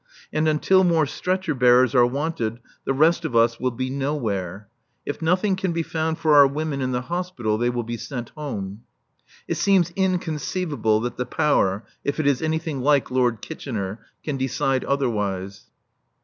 And until more stretcher bearers are wanted the rest of us will be nowhere. If nothing can be found for our women in the Hospital they will be sent home. It seems inconceivable that the Power, if it is anything like Lord Kitchener, can decide otherwise.